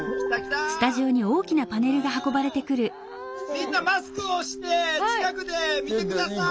みんなマスクをして近くで見て下さい！